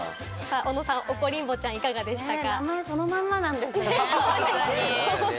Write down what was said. おのさん、おこリンボちゃんいかがでしたか？